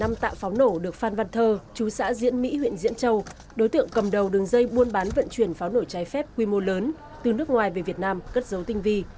đây là gần một năm tạ pháo nổ được phan văn thơ chú xã diễn mỹ huyện diễn châu đối tượng cầm đầu đường dây buôn bán vận chuyển pháo nổ trái phép quy mô lớn từ nước ngoài về việt nam cất dấu tinh vi